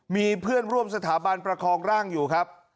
มีเพื่อนร่วมสถาบันประคองร่างอยู่ครับ